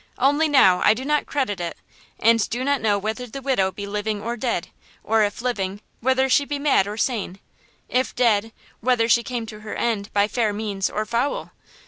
Only now I do not credit it, and do not know whether the widow be living or dead; or, if living, whether she be mad or sane; if dead, whether she came to her end by fair means or foul!"